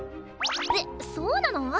えっそうなの？